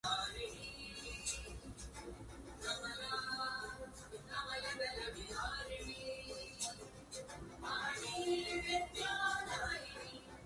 The current governor is Professor Paul Kiprono Chepkwony also known as "Timbilwet".